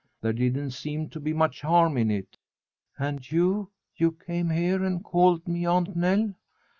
There didn't seem to be much harm in it." "And you you came here and called me Aunt Nell."